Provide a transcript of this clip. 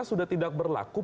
sudah tidak berlaku